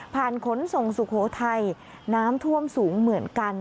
ขนส่งสุโขทัยน้ำท่วมสูงเหมือนกัน